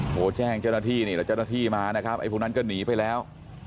โทรแจ้งเจ้าหน้าที่นี่แล้วเจ้าหน้าที่มานะครับไอ้พวกนั้นก็หนีไปแล้ว